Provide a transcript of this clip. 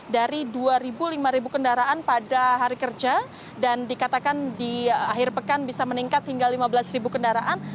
dari dua lima kendaraan pada hari kerja dan dikatakan di akhir pekan bisa meningkat hingga lima belas kendaraan